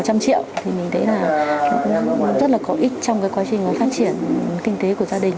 một trăm linh triệu thì mình thấy là nó rất là có ích trong cái quá trình phát triển kinh tế của gia đình